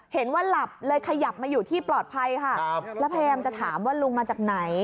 เห็นว่าหลับเลยขยับมาอยู่ที่ปลอดภัยค่ะ